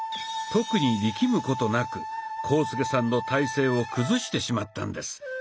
特に力むことなく浩介さんの体勢を崩してしまったんです。